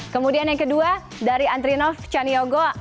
kemudian yang kedua dari andrinov caniogo